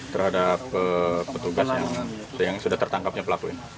terhadap petugas yang sudah tertangkapnya pelakunya